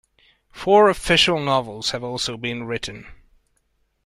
Four official novels have also been written.